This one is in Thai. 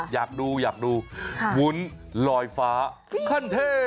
อยากดูอยากดูวุ้นลอยฟ้าคันเท